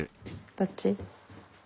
どっち？